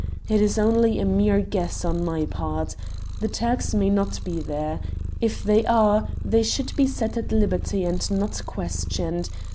It is only a mere guess on my part. The Turks may not be there. If they are, they should be set at liberty and not questioned.